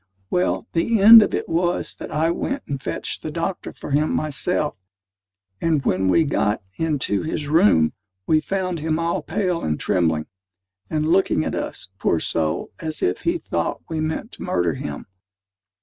Well, the end of it was that I went and fetched the doctor for him myself, and when we got into his room, we found him all pale and trembling, and looking at us, poor soul, as if he thought we meant to murder him.